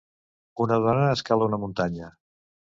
Una dona escala una muntanya.